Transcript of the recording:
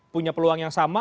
punya peluang yang sama